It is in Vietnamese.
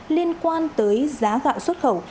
liên quan tới giá gạo xuất khẩu